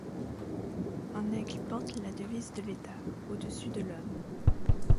Un aigle porte la devise de l'État, au-dessus de l'homme.